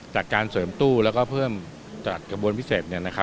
จากการเสริมตู้แล้วก็เพิ่มจัดกระบวนพิเศษ